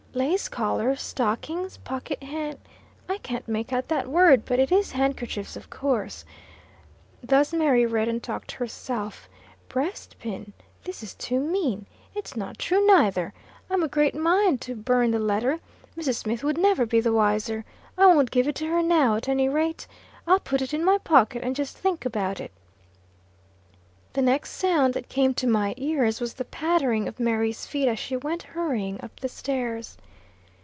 "Lace collars stockings pocket han . I can't make out that word, but it is handkerchiefs, of course," thus Mary read and talked to herself. "Breastpin this is too mean! It's not true, neither. I'm a great mind to burn the letter. Mrs. Smith would never be the wiser. I won't give it to her now, at any rate. I'll put it in my pocket, and just think about it." The next sound that came to my ears was the pattering of Mary's feet as she went hurrying up the stairs.